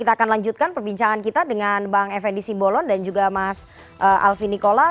kita akan lanjutkan perbincangan kita dengan bang effendi simbolon dan juga mas alvin nikola